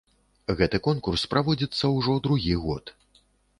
Гэты конкурс праводзіцца ўжо другі год.